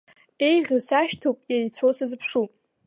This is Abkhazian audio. Еиӷьу сашьҭоуп, еицәоу сазыԥшуп.